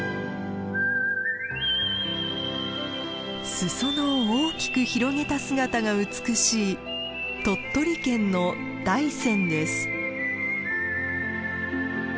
裾野を大きく広げた姿が美しい鳥取県の大山です。